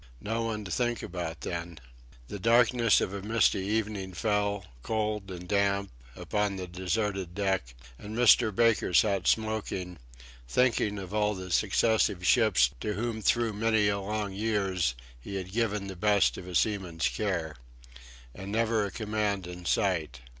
No one to think about then. The darkness of a misty evening fell, cold and damp, upon the deserted deck; and Mr. Baker sat smoking, thinking of all the successive ships to whom through many long years he had given the best of a seaman's care. And never a command in sight.